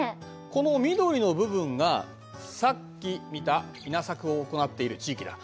この緑の部分がさっき見た稲作を行っている地域だ。